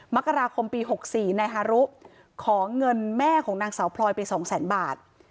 มกราคมปี๖๔นายฮารุขอเงินแม่ของนางสาวพลอยไป๒แสนบาท